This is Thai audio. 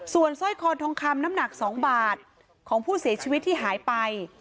ส่วนสร้อยคอทองคำน้ำหนัก๒บาทของผู้เสียชีวิตที่หายไป